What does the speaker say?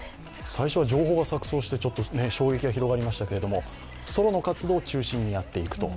最初は情報が錯綜して衝撃が広がりましたけれども、ソロの活動を中心にやっていくと。